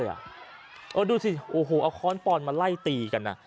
น่ะโอ้ดูซิโอ้โหเอาค้อนปอนด์มาไล่ตีกันอ่ะ